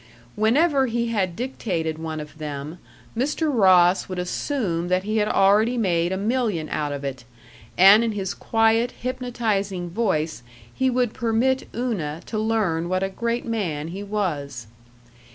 Whenever he had dictated one of them, Mr. Ross would assume that he had already made a million out of it, and in his quiet, hypnotizing voice he would permit Una to learn what a great man he was.